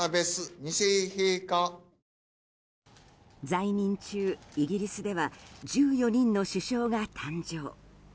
在任中、イギリスでは１４人の首相が誕生。